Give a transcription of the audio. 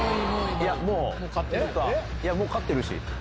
いや、もう、勝ってるし。